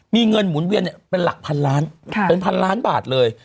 มีเงินหมุนเวียนเป็นหลักพันล้านเป็นพันล้านบาทเลย